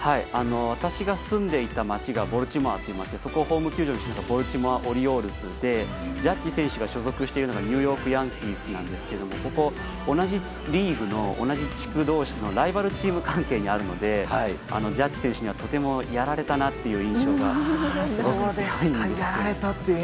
私が住んでいた街がボルティモアというところでそこをホーム球場にしたんですがジャッジ選手が所属しているのがニューヨーク・ヤンキースですが同じリーグの同じ地区同士のライバルチーム関係にあるのでジャッジ選手にはとてもやられたなという印象がありますね。